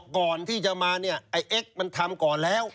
ก่อนที่จะมาเนี่ยไอ้เอ็กซ์มันทำก่อนแล้ว